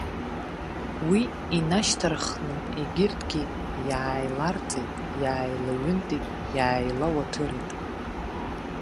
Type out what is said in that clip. Уи инашьҭарххны егьырҭгьы иааиларҵеит, иааилаҩынтит, иааилауаҭырит.